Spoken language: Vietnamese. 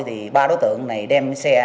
thì ba đối tượng này đã thành trạng khai báo